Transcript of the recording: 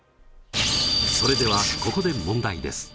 それではここで問題です。